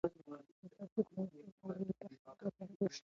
که تاسو تاریخ ولولئ نو په حقیقت به پوه شئ.